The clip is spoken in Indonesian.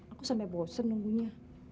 aku sampai bosan nunggunya